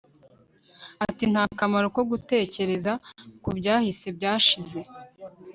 ati nta kamaro ko gutekereza ku byahise byashize